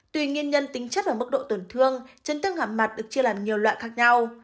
tùy nghiên nhân tính chất và mức độ tổn thương trấn thương hàm mặt được chia làm nhiều loại khác nhau